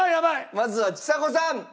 まずはちさ子さん。